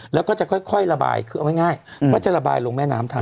แล้วก็จะค่อยค่อยระบายเอาไว้ง่ายอืมก็จะระบายลงแม่น้ำทาง